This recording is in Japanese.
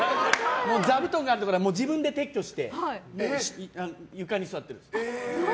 座布団があるところは自分で撤去して床に座ってるんです。